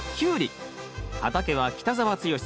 畑は北澤豪さん